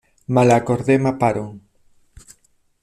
Malakordema paro?